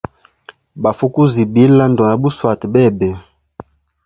Bafʼukuzibila, ndona buswata bebe.